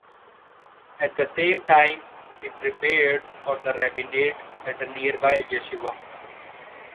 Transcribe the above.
At the same time, he prepared for the rabbinate at a nearby yeshiva.